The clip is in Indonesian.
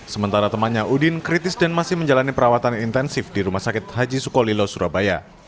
sementara temannya udin kritis dan masih menjalani perawatan intensif di rumah sakit haji sukolilo surabaya